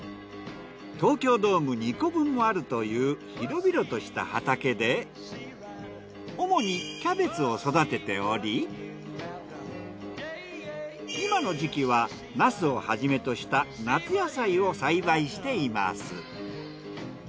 東京ドーム２個分もあるという広々とした畑で主にキャベツを育てており今の時期はナスをはじめとした夏野菜を栽培しています。